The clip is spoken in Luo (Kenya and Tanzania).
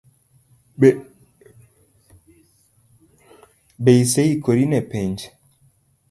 Be ise ikori ne penj?